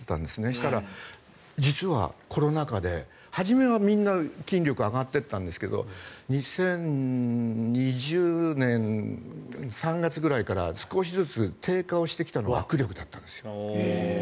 そしたら実はコロナ禍で初めはみんな筋力が上がっていったんですが２０２０年３月くらいから少しずつ低下してきたのが握力だったんです。